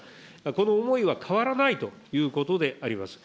この思いは変わらないということであります。